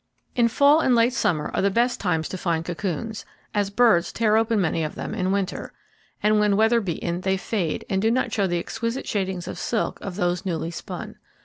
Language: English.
In fall and late summer are the best times to find cocoons, as birds tear open many of them in winter; and when weatherbeaten they fade, and do not show the exquisite shadings of silk of those newly spun.